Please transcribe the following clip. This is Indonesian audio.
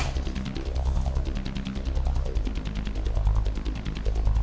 kita udah ragas